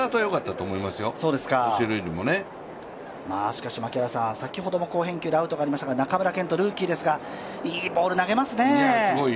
しかし先ほども好返球でマークがありましたが、中村健人、ルーキーですが、いいボールを投げますね。